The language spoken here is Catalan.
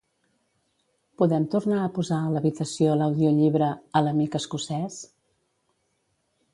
Podem tornar a posar a l'habitació l'audiollibre "A l'amic escocès"?